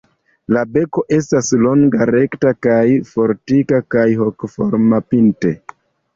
La beko estas longa, rekta kaj fortika kaj hokoforma pinte.